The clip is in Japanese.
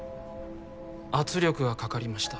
圧力がかかりました。